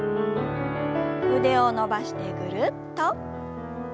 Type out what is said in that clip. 腕を伸ばしてぐるっと。